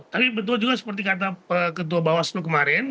tapi betul juga seperti kata ketua bawaslu kemarin